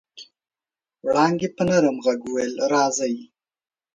وړانګې په نرم غږ وويل راځئ.